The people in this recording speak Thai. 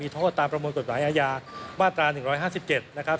โทษตามประมวลกฎหมายอาญามาตรา๑๕๗นะครับ